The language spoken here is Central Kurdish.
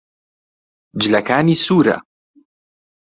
جلەکانی سوورە.